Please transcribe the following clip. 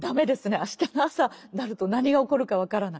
明日の朝になると何が起こるか分からない。